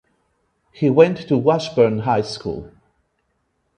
He went to Washburn High School.